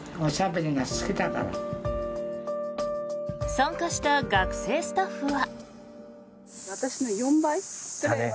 参加した学生スタッフは。